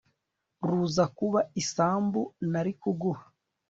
ruza kuba isambu nari kuguha